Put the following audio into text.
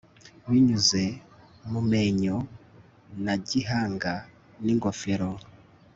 Binyuze mu menyo na gihanga ningofero